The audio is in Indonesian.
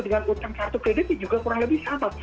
dan utang kartu kreditnya juga kurang lebih sama